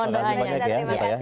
terima kasih banyak ya